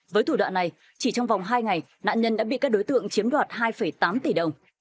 với thủ đoạn này chỉ trong vòng hai ngày nạn nhân đã bị các đối tượng chiếm đoạt hai tám tỷ đồng